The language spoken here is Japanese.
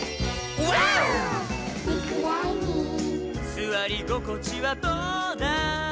「すわりごこちはどうだい？」